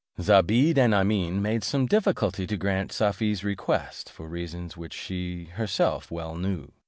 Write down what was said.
Zobeide and Amene made some difficulty to grant Safie's request, for reasons which she herself well knew.